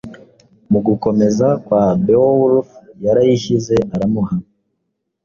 Mugukomeza kwa Beowulf yarayishyize aramuha